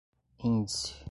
índice